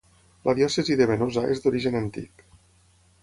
La Diòcesi de Venosa és d'origen antic.